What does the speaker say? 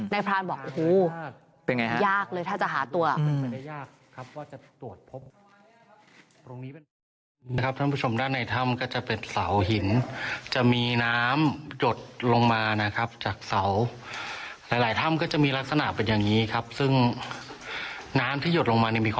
นายพรานบอกโอ้โฮยากเลยถ้าจะหาตัว